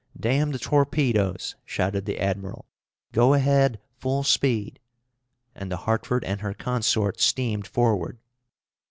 "Damn the torpedoes!" shouted the admiral; "go ahead, full speed;" and the Hartford and her consort steamed forward.